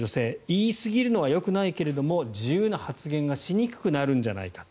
言いすぎるのはよくないけれども自由な発言がしにくくなるんじゃないか。